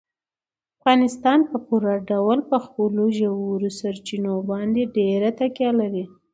افغانستان په پوره ډول په خپلو ژورو سرچینو باندې ډېره تکیه لري.